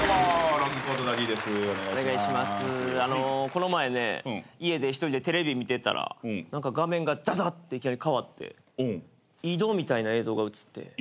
この前ね家で一人でテレビ見てたら何か画面がザザっていきなりかわって井戸みたいな映像が映って。